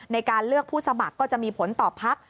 ในการเลือกผู้สมัครก็จะมีผลต่อพัก